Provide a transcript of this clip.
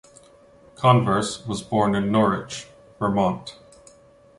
Converse was born in Norwich, Vermont.